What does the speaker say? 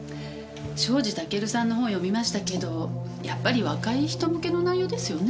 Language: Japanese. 庄司タケルさんの本読みましたけどやっぱり若い人向けの内容ですよね？